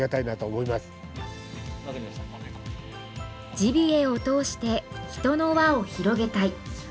ジビエを通して人の輪を広げたい。